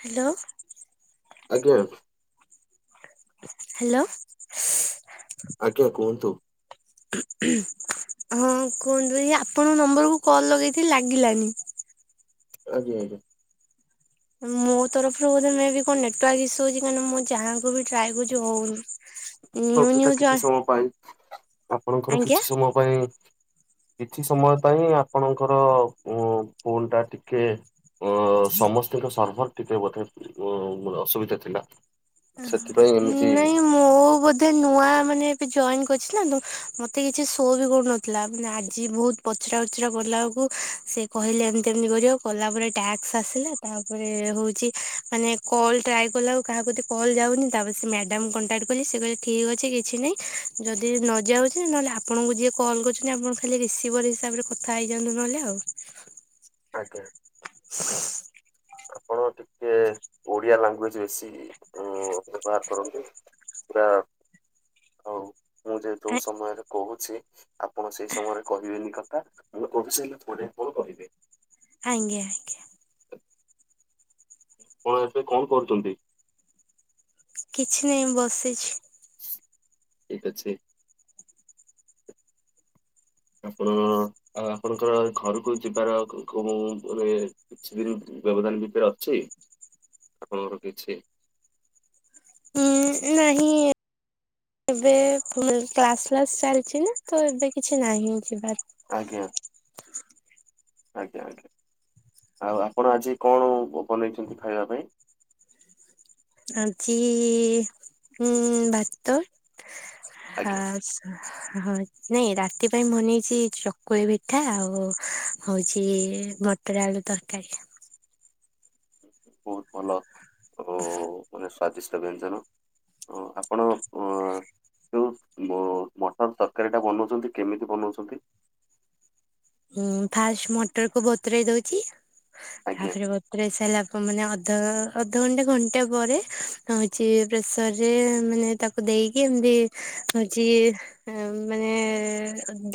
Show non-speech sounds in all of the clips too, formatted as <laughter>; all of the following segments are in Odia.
ହ୍ୟାଲୋ ଆଜ୍ଞା। ହ୍ୟାଲୋ ଆଜ୍ଞା କୁହନ୍ତୁ। ହୁଁ ହଁ କୁହନ୍ତୁ ଏଇ ଆପଣଙ୍କ ନମ୍ବରକୁୁ କଲ ଲଗେଇଥିଲି ଲାଗିଲାନି। ଆଜ୍ଞା ଆଜ୍ଞା। ମୋ ତରଫରୁ ବୋଧେ ମେ ଵି କଣ ନେଟୱର୍କ ଇସୁ ହଉଛି କଣ ମୁଁ ଯାହାଙ୍କୁ ବି ଟ୍ରାଏ କରୁଛି ହଉନି। ହ ନିଉ ନିଉ ସେଟା ଜ କିଛି ସମୟ ପାଇ ଆପଣଙ୍କର ଆଜ୍ଞା। କିଛି ସମୟ ପାଇଁ କିଛି ସମୟ ପାଇଁ ଆପଣଙ୍କର ଉ-ଉ-ଉ ଫୋନ୍ ଟା ଟିକେ ଓ-ଓ-ଓ ସମସ୍ତିଙ୍କ ସର୍ଭର ଟିକେ ବୋଧେ ଅ-ଅ-ଅ ଅସୁବିଧା ଥିଲା। ସେଥିପାଇଁ ଏମିତି ନାଇଁ ମୁଁ-ଉ-ଉ-ଉ ବୋଧେ ନୂଆ ମାନେ ଏବେ ଜଏନ କରିଛି ନା ତ ମତେ କିଛି ସୋ ବି କରୁନଥିଲା ମାନେ ଆଜି ବହୁତ ପ ଚରା ଉଚରା କଲା ବେଳକୁ ସେ କହିଲେ ଏମିତି ଏମିତି କରିବ, କଲା ପରେ ଟାକ୍ସ ଆସିଲା, ତାପରେ-ଏ-ଏ ହଉ ଛି ମାନେ କଲ ଟ୍ରାଏ କଲା ଆଉ କାହାକୁ ଯଦି କଲ୍ ଯାଉନି ତାପରେ ସେ ମ୍ୟାଡ଼ାମ କଣ୍ଟାକ୍ଟ କଲି ସେ କହିଲେ ଠିକ୍ ଅଛି କିଛି ନାହିଁ ଯଦି ନ ଯାଉଛି ନହେଲେ ଆପଣଙ୍କୁ ଯିଏ କଲ୍ କରୁଛନ୍ତି ଆପଣ ଖାଲି ରିସିଭର ହିସାବରେ କଥା ହେଇଯାନ୍ତୁ ନହେଲେ ଆଉ। ଆଜ୍ଞା। ଆପଣ ଟିକେ-ଏ-ଏ-ଏ ଓଡିଆ ଲାଙ୍ଗୁଏଜ ବେଶି-ଇ-ଇ ଅ ବ୍ୟବହାର କରନ୍ତୁ। ପୁରା, ଆଉ ମୁଁ ଯେ ଯୋଉ ସମୟରେ କହୁଛି ଆପଣ ସେଇ ସମୟରେ କହିବେନି କଥା, ମୁ କହୁଛି ହେଲେ ପରେ ଆପଣ କହିବେ। ଆଜ୍ଞା ଆଜ୍ଞା। କଣ ଏବେ କଣ କରୁଛନ୍ତି? କିଛି ନାହିଁ ବସିଛି। ଠିକ ଅଛି। ଆପଣ-ଅ-ଅ ଆଉ ଆପଣଙ୍କର ଘରକୁ ଯିବାର କୁ-ଉ-ଉ-ଉ କଣ ମାନେ କିଛିଦିନ ବ୍ୟବଧାନ ଭିତରେ ଅଛି ଆପଣଙ୍କର କିଛି ହୁଁ ନାହିଁ। ଏବେ କ୍ଲାସ ଫ୍ଲାସ ଚାଲିଛି ନା ତ ଏବେ କିଛି ନାହିଁଁ ଯିବାର। ଆଜ୍ଞା ଆଜ୍ଞା ଆଜ୍ଞା। ଆଉ ଆପଣ ଆଜି କଣ ଅ-ଅ-ଅ ବନେଇଛନ୍ତି ଖାଇବା ପାଇଁ? ଆଜି-ଇ-ଇ-ଇ ଉଁ-ଉ-ଉ ଭାତ ଆଜ୍ଞା ଆଉ ଶା ହଁ ନାଇଁ ରାତି ପାଇଁ ବନେଇଛି ଚକୁଳି ପିଠା ଆଉ ହଉଛି-ଇ-ଇ ମଟର ଆଳୁ ତରକାରୀ। ବହୁତ ଭଲ। ଓ ହିଁ। ମାନେ ସ୍ଵାଦିଷ୍ଟ ବ୍ୟଞ୍ଜନ ଅ ଆପଣ ଅ-ଅ-ଅ ଯୋଉ ମ ମଟର ତରକାରୀ ଟା ବନଉଛନ୍ତି କେମିତି ବନଉଛନ୍ତି? ଉଁ ଫାଷ୍ଟ ମଟର କୁ ବତୁରେଇ ଦଉଛି ଆଜ୍ଞା ତାପରେ ବତୁରାଇ ସାରିଲା ମାନେ ଅଧ ଅଧଘଣ୍ଟା ଘଣ୍ଟା ପରେ ଆଁ ହଉଛି ପ୍ରେସରରେ ମାନେ ତାକୁ ଦେଇକି ଏମିତି ହଉଛି ମାନେ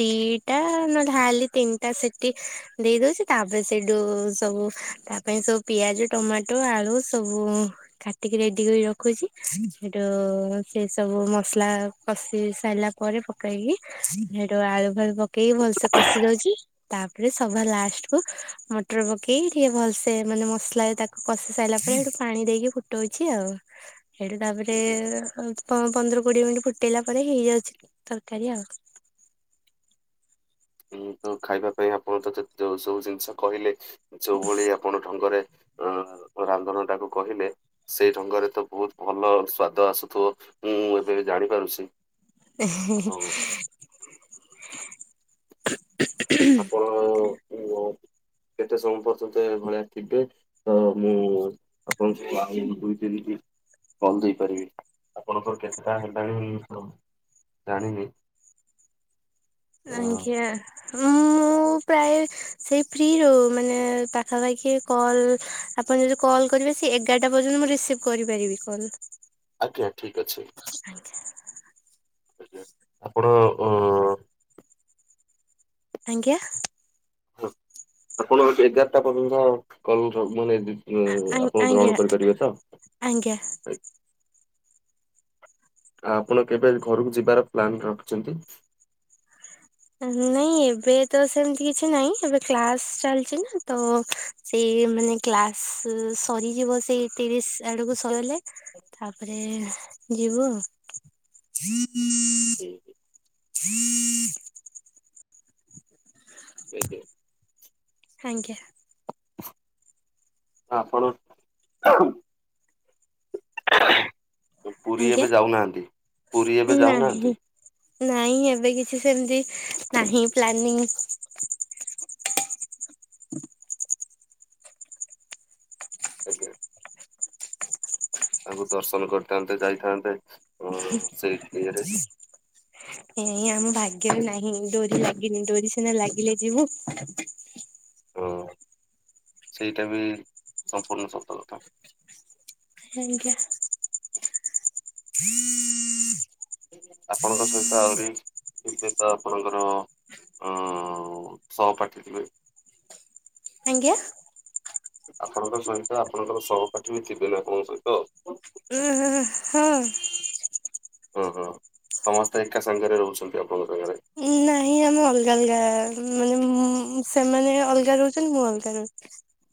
ଦିଟା ନହେଲେ ହାର୍ଡଲି ତିନିଟା ସିଟି ଦେଇ ଦଉଛି ତାପରେ ସେଠୁ ସବୁ ତା ପାଇଁ ସବୁ ପିଆଜ ଟମାଟୋ ଆଳୁ ସବୁ କାଟିକି ରେଡି କରି ରଖୁଛି ସେଠୁ ସେ ସବୁ ମସ ଲା କଷି ସାରିଲା ପରେ ପକେଇକି ସେଉଠୁ ଆଳୁ ଫାଳୁ ପକେଇକି ଭଲସେ କଷି ଦଉଛି। ତାପରେ ସଭା ଲାଷ୍ଟ କୁ ମଟର ପକେଇ ଟିକେ ଭଲସେ ମାନେ ମସଲା ତାକୁ କଷି ସାରିଲା ପରେ ସେଠୁ ପାଣି ଦେଇକି ଫୁଟାଉଛି ଆଉ ସେଠୁ ତାପରେ ଆଜ୍ଞା। ପ ପନ୍ଦର କୋଡିଏ ମିନିଟ୍ ଫୁଟେଇଲା ପରେ ହେଇଯାଉଛି ତରକାରୀ ଆଉ। ଉଁ ତ ଖାଇବା ପାଇଁ ଆପଣ ତ ଯେତେ ଯୋଉ ସବୁ ଜିନିଷ କହିଲେ ଯୋଉ ଭଳି ଆପଣ ଢଙ୍ଗରେ ଉଁ ହୁଁ ରାନ୍ଧଣାଟାକୁ କହିଲେ ସେଇ ଢଙ୍ଗରେ ତ ବହୁତ ଭଲ ସ୍ଵାଦ ଆସୁଥିବ ମୁଁ ଏବେସିମ <inaudible> <inaudible> ଜାଣିପାରୁଛି। ଆଉ <unintelligible> ଆପଣ ଙ କେତେ ସମୟ ପର୍ଯ୍ୟନ୍ତ ଏ ଭଳିଆ ଥିବେ। ତ ମୁଁ ଆପଣଙ୍କୁ ଆଉ ଦୁଇ ତିନି କଲ୍ ଦେଇପାରିବି ଆପଣଙ୍କର କେତେ ଟା ହେଲାଣି ଜାଣିନି! ଅ ଆଜ୍ଞା ମୁଁ ମୁଁ ପ୍ରାୟ ସେହି ଫ୍ରୀ ରହୁ ପାଖାପାଖି କଲ୍ ଆପଣ ଯଦି କଲ୍ କରିବେ ସେ ଏଗାରଟା ପର୍ଯ୍ୟନ୍ତ ମୁଁ ରିସିଭ୍ କରିପାରିବି କଲ୍। ଆଜ୍ଞା ଠିକ୍ ଅଛି। <unintelligible> ଆପଣ ଅଁ ଆଜ୍ଞା! ହଁ ଆପଣ ଏଗାରଟା ପର୍ଯ୍ୟନ୍ତ କଲ୍ <inaudible> ହଁ ଆଜ୍ଞା ଆପଣ ଆଜ୍ଞା ଗ୍ରହଣ କରିପାରିବେ ତ? ଆଜ୍ଞା। ଆପଣ କେବେ ଘରକୁ ଯିବାର ପ୍ଲାନ୍ ରଖିଛନ୍ତି? ନାଇଁ ଏବେ ତ ସେମିତି କିଛି ନାହିଁ ଏବେ କ୍ଲାସ ଚାଲିଛି ତ ସେ ଇଏ ମାନେ କ୍ଲାସ୍ ସରିଯିବ ସେଇ ତିରିଶ ଆଡକୁ ସରିଲେ ତାପରେ ଯିବୁ <unintelligible> <unintelligible> ଆଜ୍ଞା! ଆଜ୍ଞା। <unintelligible> ପୁରୀ ଆଜ୍ଞା? ଏବେ ଯାଉନାହାନ୍ତି? ପୁରୀ ଏବେ ଯାଉନାହାନ୍ତି? ନାଇଁ ଏବେ କିଛି ସେମିତି ନାହିଁ ପ୍ଲାନିଂ। <unintelligible> ଆଜ୍ଞା! ତାଙ୍କୁ ଦର୍ଶନ କରିଥାନ୍ତେ ଯାଇଥାନ୍ତେ। ଅ ସେଇ ଇଏରେ ଏଇ ଆମ ଭାଗ୍ୟ ରେ ନାହିଁ ଡୋରି ଲାଗିନି ଡୋରି ସିନା ଲାଗିଲେ ଯିବୁ। ହଁ ସେଇଟା ବି ସମ୍ପୂର୍ଣ୍ଣ ସତ କଥା। ଆଜ୍ଞା। <unintelligible> ଆପଣଙ୍କ ସହିତ ଆହୁରି ଏବେ ତ ଆପଣଙ୍କର ଅ- ସହପାଠୀ ଥିବେ <unintelligible> ଆପଣଙ୍କ ସହିତ ଆପଣଙ୍କର ସହପାଠୀ ବି ଥିବେ ନା ଆପଣଙ୍କ ସହିତ <inaudible> ହୁଁ। ଓ ହୋ ସମସ୍ତେ ଏକା ସାଙ୍ଗରେ ରହୁଛନ୍ତି ଆପଣଙ୍କ ଘରେ। ନାହିଁ ଆମେ ଅଲଗା ଅଲଗା ମାନେ ମୁ ସେମାନେ ଅଲଗା ରହୁଛନ୍ତି ମୁଁ ଅଲଗା ରହୁଛି।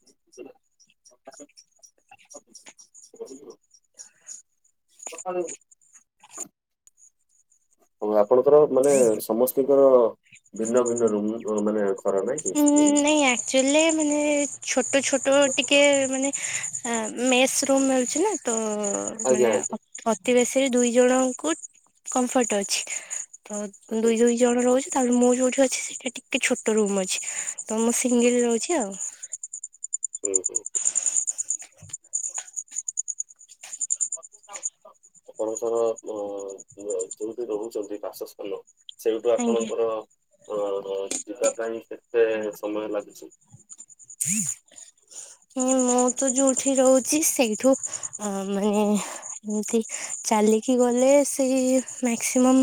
<unintelligible> <unintelligible> ହଉ ଆପଣଙ୍କର ମାନେ ସମସ୍ତିଙ୍କର ଭିନ୍ନ ଭିନ୍ନ ରୁମ୍ ମାନେ ଖରା ନାଇ ଉଁ, କି? ନାଇଁ ଆକ୍ଚୁଆଲି ମାନେ ଛୋଟ ଛୋଟ ଟିକେ ମାନେ। ଆଁ ମେସ୍ ରୁମ୍ ମିଳୁଛି ନା ତ ଆଜ୍ଞା ମାନେ ଆଜ୍ଞା ଅତି ବେଶୀ। ରେ ଦୁଇ ଜଣଙ୍କୁ କମ୍ଫର୍ଟ ଅଛି। ତ ଆଜ୍ଞା ଦୁଇ ଦୁଇ ଜଣ ରହୁଛୁ। ତାବେଲେ ମୁଁ ଯୋଉଠି ଅଛି ସେଇଟା ଟିକେ ଛୋଟ ରୁମ୍ ଅଛି। ତ ମୁଁ ସେ ସୀଙ୍ଗିଲ ରହୁଛି ଆଉ। ଓ ହୋ। <unintelligible> ଆପଣଙ୍କର ଅ ଅ ଯୋଉଠି ରହୁଛନ୍ତି ବାସସ୍ଥାନ। ସେଇଠୁ ଆଜ୍ଞା ଆପଣଙ୍କର। ଅ -ହ -ଯିବା ପାଇଁ କେତେ ସମୟ ଲାଗୁଛି। <inaudible> ମୁଁ ତ ଯୋଉଠି ରହୁଛି ସେଇଠୁ ଅ- ମାନେ ଏମିତି। ଚାଲିକି ଗଲେ ସେଇ ମାକ୍ସିମମ୍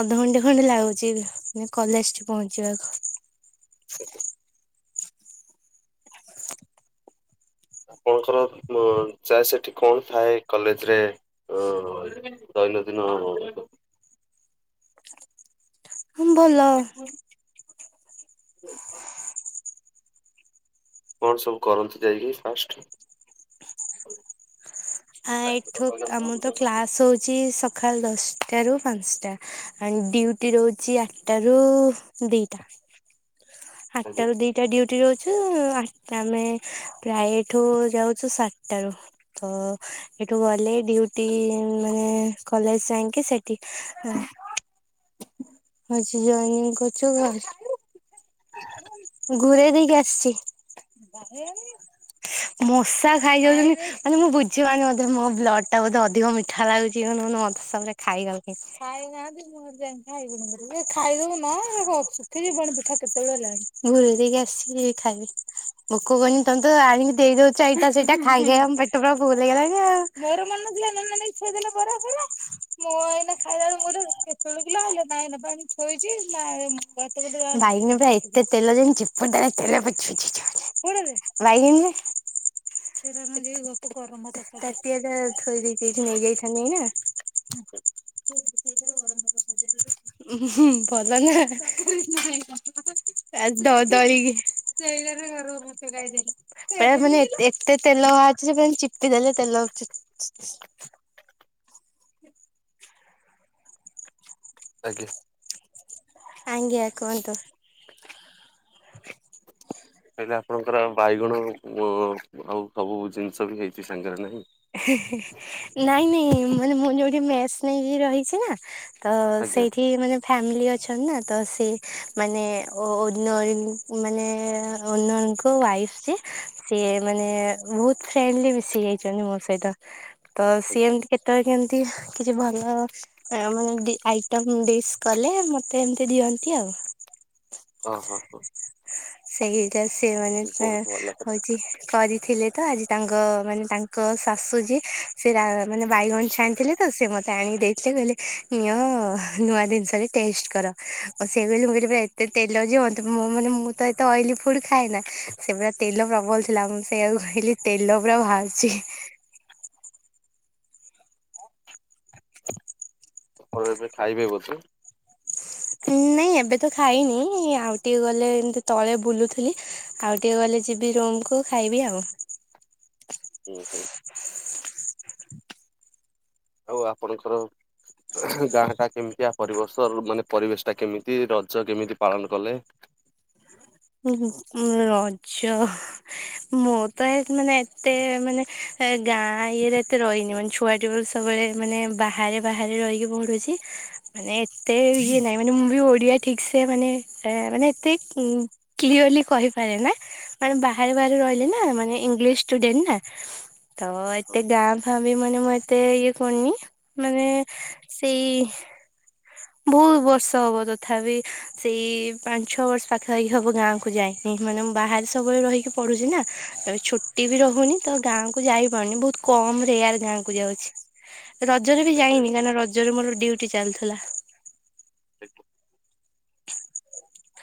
ଅଧଘଣ୍ଟେ ଖଣ୍ଡେ ଲାଗୁଛି। କଲେଜ ଠି ପହଞ୍ଚିବାକୁ। <unintelligible> ଆପଣଙ୍କର ଅ ଚାର୍ଜ ସେଠି କଣ ଥାଏ କଲେଜ ରେ? ଯଦି ନ <unintelligible> ହୁଁ ଭଲ। ଫୋନ ଥରେ କଣ ସବୁ କରନ୍ତି ଯାଇକି ଫାଷ୍ଟ? ଆ ଏଠୁ ଆମର ତ ଆଜ୍ଞା କ୍ଲାସ ହଉଛି ସକାଳ ଦଶଟା। ଦସ ଟାରୁ ପାଞ୍ଚଟା। ଡ୍ୟୁଟି ରହୁଛି ଆଠଟା ରୁ -ଦିଟା। ଆଠଟାରୁ ଦିଟା ଡ୍ୟୁ ଟି ଯାଉଛୁ ଆଠଟା ଆମେ ପ୍ରାୟ ଏଠୁ ଯାଉଛୁ ସାତଟାରୁ ତ- ଏଠୁ ଗଲେ ଡ୍ୟୁଟି ମାନେ କଲେଜ ଯାଇଁକି ସେଠି <inaudible> ଆଜି ଜୟନିଂ କରୁଛୁ। <inaudible> ଘୁରେଇ ଦେଇକି ଆସିଛି। ମଶା ଖାଇ ଯାଉଛନ୍ତି ମାନେ ମୁଁ ବୁଝିି ପାରୁନି ବୋଧେ ମୋ ବ୍ଲଡ ଟା ବୋଧେ ଅଧିକ ମିଠା ଲାଗୁଛି। ଦେଖୁନୁ ମଶା ପୁରା ଖାଇ ଗଲେଣି। <unintelligible> କେତେବେଳୁ ହେଲାଣି। ଘୁରେଇ ଦେଇକି ଆସିକି ଖାଇବି। ଭୋକ କରନି ତମେ ତ ଆଣିକି ଦେଇଦଉଛ ଆଇ ସେଇଟା ଖାଇ ଖାଇ ଆମ ପେଟ ପୁରା ଫୁଲ ହେଇଗଲାଣି ଆଉ ମୋର ମନ ନଥିଲା ମୋର ଇଚ୍ଛା ଥିଲା ବରା ଫରା। <unintelligible> <unintelligible> <unintelligible> ହ <unintelligible> <unintelligible> <unintelligible> <unintelligible> ଆଜ୍ଞା। ଆଜ୍ଞା କୁହନ୍ତୁ। ମୁଁ କହିଲି ଆପଣଙ୍କର ବାଇଗଣ ଆଉ ସବୁ ଜିନିଷ ବି ହେଇଛି ସାଙ୍ଗରେ ନା? ନାଇଁ ନାଇଁ ମାନେ ମୁଁ ଯୋଉ ମେସ୍ ନେଇ ରହିଛି ନା ତ ଆଜ୍ଞା ସେଇଠି ମାନେ ଫ୍ୟାମିଲି ଅ ଅଛନ୍ତି ନା ତ ସେ ମାନେ ଓନର ମାନେ ଓନର ଙ୍କ ୱାଇଫ୍ <unintelligible> ସିଏ ମାନେ ବହୁତ୍ ଫ୍ରେଣ୍ଡଲି ମିଶି ଯାଇଛନ୍ତି ସେଇଟା ତ ସିଏ ଆଜ୍ଞା ଏମତି କେତେବେଳେ କେମିତି ଏମିତି କିଛି ଭଲ ମାନେ ଆଇଟମ୍ ଡିସ୍ କଲେ ମତେ ଏମତି ଦିଅନ୍ତି ଆଉ ଓ ହୋ ହୋ। ସେଇଟା ସେ ମାନେ ଭଲ କଥା ହଉଛି କରିଥିଲେ। ତ ଆଜି ତାଙ୍କ ମାନେ ତାଙ୍କ ଶାଶୁ ଯିଏ ସେ ମାନେ ବାଇଗଣ ଛାଣିଥିଲେ ତ ସେ ମତେ ଆଣି ଦେଇଥିଲେ କହିଲେ ନିଅ ନୂଆ ଜିନିଷ <unintelligible> ଟେଷ୍ଟ୍ କର ମୁଁ ସେଇଆ କହିଲି <unintelligible> <unintelligible> ମୁଁ ମାନେ ମୁଁ ମୁଁ ତ ଏତେ ଅଏଲି ଫୁଡ୍ ଖାଏନା ସେ ପୁରା ତେଲ ପ୍ରବଳ ଥିଲା ମୁଁ ସେଇଆକୁ କହିଲି ତେଲ ପୁରା ବାହାରୁଛି। <inaudible> <unintelligible> ଆପଣ ଏବେ ଖାଇବେ ବୋଧେ? ନାଇଁ ଏବେ ତ ଖାଇନି ଆଉ ଟିକେ ଗଲେ ଏମତି ତଳେ ବୁଲୁଥିଲି ଆଉ ଟିକେ ଗଲେ ଯିବି ରୁମ୍ କୁ ଖାଇବି ଆଉ। <unintelligible> ଆଉ ଆପଣଙ୍କର ଗାଁ ଟା କେମିତିଆ ପରିବେଶ ମାନେ ପରିବେଶ ଟା କେମିତି ରଜ କେମିତି ପାଳନ କଲେ? <inaudible> ରଜ ମୁଁ ତ ଏ ମାନେ ଏତେ ମାନେ ଏ ଗାଁ ଇଏରେ ଏତେ ରହିନି ମାନେ ଛୁଆଟି ସବୁବେଳେ ମାନେ ବାହାରେ ବାହାରେ ରହିକି ପଢୁଛି। ମାନେ ଏତେ ଇଏ ନାହିଁ ମାନେ ମୁଁ ବି ଓଡ଼ିଆ ଠିକ୍ ସେ ମାନେ ମାନେ ଏତେ କ୍ଲିୟର ଲି କହିପାରେ ନା ମାନେ ବାହାରେ ବାହାରେ ରହିଲି ନା ମାନେ ଇଂଲିସ୍ ଷ୍ଟୁଡେଣ୍ଟ୍ ନା। ତ ହଁ, ଏତେ ଗାଁ ଫା ମାନେ ମୁଁ ଏତେ ଇଏ କରିନି ମାନେ ସେଇ ବହୁତ୍ ବର୍ଷ ହବ ତଥାପି ସେଇ ପାଞ୍ଚ ଛଅ ବର୍ଷ ପାଖାପାଖି ହବ ଗାଁ କୁ ଯାଇନି। ମାନେ ମୁଁ ବାହାରେ ସବୁବେଳେ ରହିକି ପଢୁଛି ନା ଛୁଟି ବି ରହୁନି ତ ଗାଁକୁୁ ଯାଇପାରୁନି ବହୁତ୍ କ କମ ରେୟାର୍ ଗାଁକୁ ଯାଉଛି। <inaudible> ରଜରେ ବି ଆଜ୍ଞା ଯାଇନି ଆଜ୍ଞା। କାରଣ ରଜରେ ମୋର ଡ୍ୟୁଟି ଚାଲିଥିଲା। <unintelligible> <unintelligible>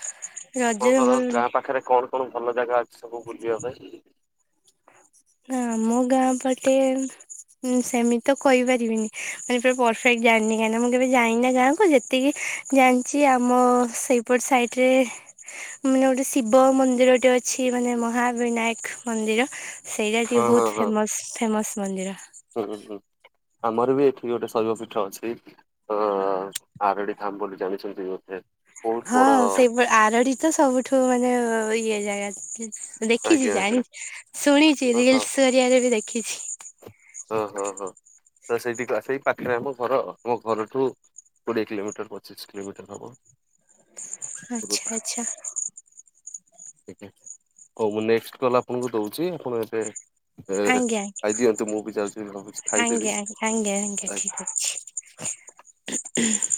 ରଜରେ ଆପଣଙ୍କର ମୋର ଗାଁ ପାଖରେ କଣ କଣ ଭଲ ଜାଗା ଅଛି ସବୁ ବୁଲିବା ପାଇଁ। ଆମ ଗାଁ ପଟେ ହୁଁ ସେମି ତ କହିପାରିବିନି ମାନେ ପୁରା ପରଫେକ୍ଟ୍ ଜାଣିନି କାହିଁକନା ମୁଁ କେବେ ଯାଇନିନା ଗାଁ କୁ ଯେତିକି ଜାଣିଛି ଆମ ସେଇପଟ ସାଇଟ୍ ରେ ମାନେ ଗୋଟେ ଶିବ ମନ୍ଦିରଟେ ଅ ଅଛି ମାନେ ମହାବିନାୟକ ମନ୍ଦିର ସେଇଟା ଟିକେ ହଁ ହଁ ବହୁତ୍ ହଁ ଫେମସ୍ ଫେମସ୍ ମନ୍ଦିର। <unintelligible> ଆମର ବି ଏଠି ଗୋଟେ ଶୈବ ପୀଠ ଅଛି ଅ ଆରଡ଼ି ଧାମ ବୋଲି ଜାଣିଛନ୍ତି <unintelligible> ହଁ ବଡ ସେଇ ଆରଡ଼ି ତ ସବୁଠୁ ମାନେ ଇଏ ଜାଗା। ଦେଖିଛି ଆଜ୍ଞା ଆଜ୍ଞା ଜାଣିଛି ଶୁଣିଛି ହଁ ରିଲସ୍ କରିବାରେ ବି ଦେଖିଛି। ଓହୋ ହୋ ତ ସେଇଠି ଆ ସେଇ ପାଖରେ ଆମ ଘର ଆମ ଘରଠୁ କୋଡ଼ିଏ କିଲୋମିଟର, ପଚିଶ୍ କିଲୋମିଟର ହବ। ଦୂରତା। ଆଚ୍ଛା ଆଚ୍ଛା। ହଉ ମୁଁ ନେକ୍ସଟ୍ କଲ ଆପଣଙ୍କୁ ଦଉଛି। ଆପଣ ଏବେ ଆଜ୍ଞା ଖାଇଦିଅ। ତ ମୁଁ ବି ଯାଉଛି। ଭାବୁଛି ଖାଇଦେବି ଆଜ୍ଞା ଆଜ୍ଞା ଆଜ୍ଞା ଆଜ୍ଞା ଠିକ ଅଛି।